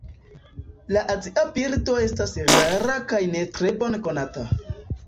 La azia birdo estas rara kaj ne tre bone konata.